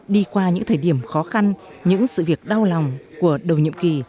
đi qua những thời điểm khó khăn những sự việc đau lòng của đầu nhiệm kỳ